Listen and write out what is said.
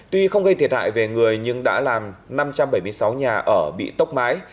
tuy không gây thiệt hại về người nhưng đã làm năm trăm bảy mươi sáu nhà ở bị tốc mái